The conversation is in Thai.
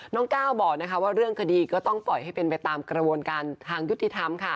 น้องก้าวบอกว่าเรื่องกดีก็ต้องปล่อยให้เป็นไปตามกระวนการทางยุทธิธรรม